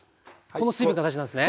この水分が大事なんですね。